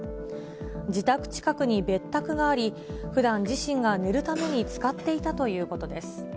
自宅近くに別宅があり、ふだん、自身が寝るために使っていたということです。